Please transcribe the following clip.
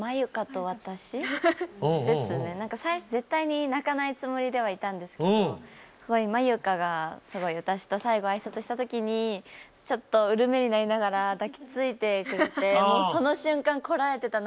最初絶対に泣かないつもりではいたんですけどＭＡＹＵＫＡがすごい私と最後挨拶した時にちょっとうる目になりながら抱きついてくれてもうその瞬間こらえてた涙